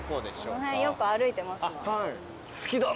この辺よく歩いてます。